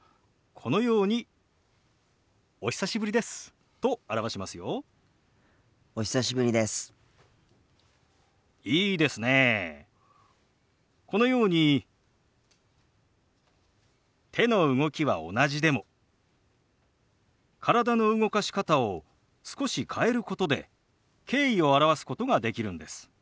このように手の動きは同じでも体の動かし方を少し変えることで敬意を表すことができるんです。